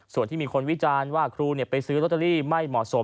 ส่วนที่มีคนวิจารณ์ว่าครูไปซื้อลอตเตอรี่ไม่เหมาะสม